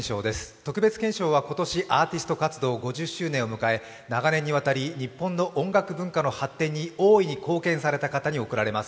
特別顕彰は今年アーティスト活動５０周年を迎え長年にわたり日本の音楽文化の発展に大いに貢献された方に贈られます。